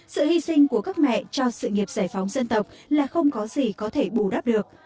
sự hy sinh của các mẹ cho sự nghiệp giải phóng dân tộc là không có gì có thể bù đắp được